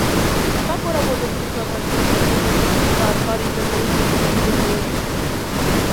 Како работат друштвата што ги множат и чуваат парите на идните пензионери